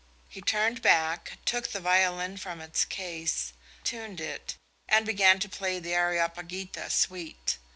He turned back, took the violin from its case, tuned it, and began to play the "Areopagita" suite.